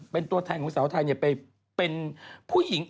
เป็นตัวแทนของสาวไทยไปเป็นผู้หญิง